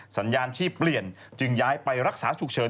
สัญญาณชีพเปลี่ยนจึงย้ายไปรักษาฉุกเฉิน